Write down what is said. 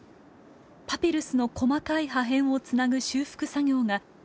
パピルスの細かい破片をつなぐ修復作業が今も続きます。